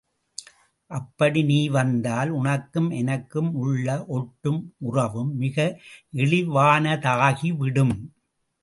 அப்படி நீ வந்தால், உனக்கும் எனக்கும் உள்ள ஒட்டும் உறவும் மிக இழிவானதாகி விடும்.